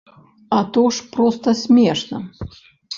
А то ж проста смешна!